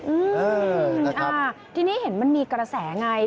อืมอ่าทีนี้เห็นมันมีกระแสไง